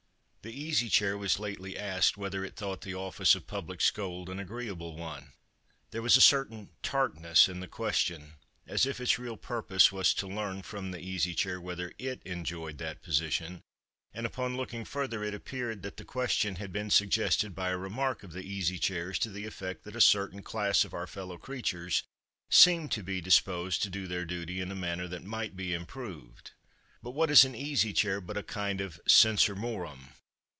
The Easy Chair was lately asked whether it thought the office of public scold an agreeable one. There was a certain tartness in the question, as if its real purpose was to learn from the Easy Chair whether It enjoyed that position, and upon looking further it appeared that the question had been suggested by a remark of the Easy Chair's to the effect that a certain class of our fellow creatures seemed to be disposed to do their duty in a manner that might be improved. But what is an Easy Chair but a kind of _censor morum!